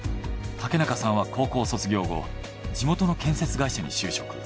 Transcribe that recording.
竹中さんは高校卒業後地元の建設会社に就職。